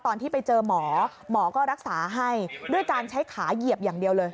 ตอนที่ไปเจอหมอหมอก็รักษาให้ด้วยการใช้ขาเหยียบอย่างเดียวเลย